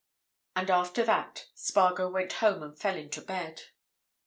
And after that Spargo went home and fell into bed.